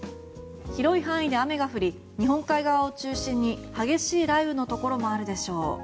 広い範囲で雨が降り日本海側を中心に激しい雷雨のところもあるでしょう。